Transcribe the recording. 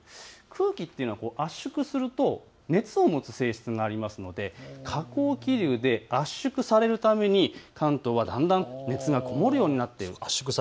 空気は圧縮すると熱を持つ性質がありますので下降気流で圧縮されるため関東は熱がこもるようになるんです。